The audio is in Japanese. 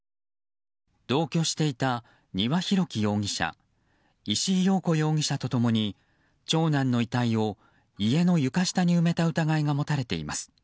同居していた丹羽洋樹容疑者石井陽子容疑者と共に長男の遺体を家の床下に埋めた疑いが持たれています。